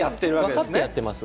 分かってやってます。